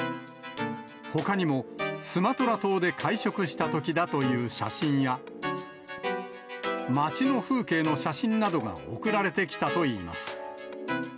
ほかにも、スマトラ島で会食したときだという写真や、町の風景の写真などが送られてきたといいます。